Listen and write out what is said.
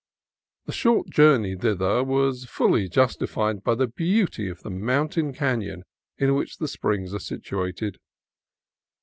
The short journey thither was fully justified by the beauty of the mountain canon in which the springs are situated.